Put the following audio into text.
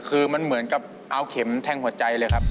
คือมันเหมือนกับเอาเข็มแทงหัวใจเลยครับ